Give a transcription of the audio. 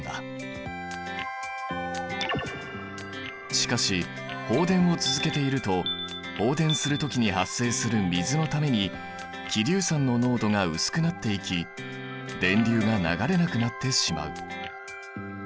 しかし放電を続けていると放電する時に発生する水のために希硫酸の濃度が薄くなっていき電流が流れなくなってしまう。